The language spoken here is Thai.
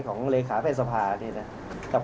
ขอบคุณพี่ด้วยนะครับ